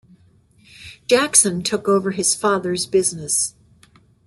Jackson took over his father's business.